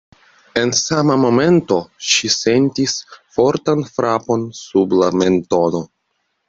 En sama momento ŝi sentis fortan frapon sub la mentono.